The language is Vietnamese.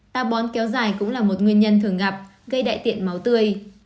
ta bón kéo dài cũng là một nguyên nhân thường gặp gây đại tiện máu tươi